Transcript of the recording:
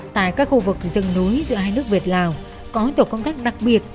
tại các khu vực rừng núi giữa hai nước việt lào có hỗn tục công tác đặc biệt